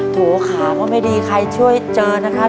โหขามว่าไม่ได้ใครช่วยเจอนะครับ